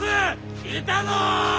いたぞ！